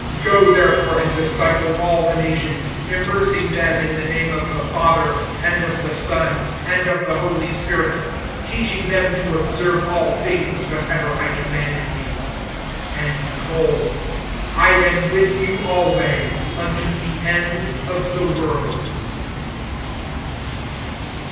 (19)Go therefore, and disciple all the nations, immersing them in the name of the Father, and of the Son, and of the Holy Spirit; (20)teaching them to observe all things, whatever I commanded you. And, behold, I am with you alway, unto the end of the world.